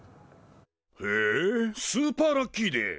へえスーパーラッキーデー！